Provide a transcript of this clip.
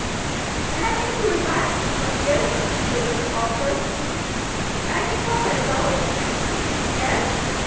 And I think he was right. Don't you?" concluded Walter. "I think papa is always right." "Yes?